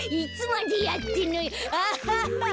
アハハハ！